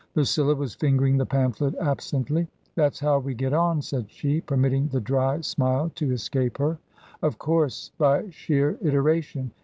Lucilla was fingering the pamphlet absently. " That's how we get on !" said she, permitting the dry smile to escape her. " Of course. By sheer iteration.